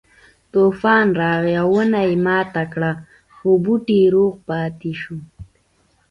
طوفان راغی او ونه یې ماته کړه خو بوټی روغ پاتې شو.